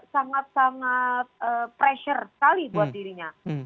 sangat sangat pressure sekali buat dirinya